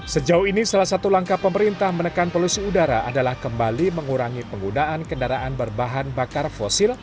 sejauh ini salah satu langkah pemerintah menekan polusi udara adalah kembali mengurangi penggunaan kendaraan berbahan bakar fosil